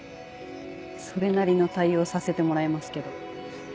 それなりの対応させてもらいますけど。